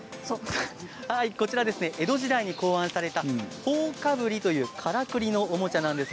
こちらは江戸時代に考案された「頬かぶり」というからくりのおもちゃです。